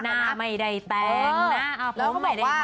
หน้าไม่ได้แต้งหน้าผมไม่ได้ความ